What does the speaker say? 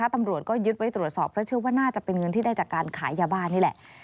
ตำรวจก็ยึดไว้ตรวจสอบเพราะเชื่อว่าน่าจะเป็นเงินที่ได้จากการขายยาบ้านนี่แหละ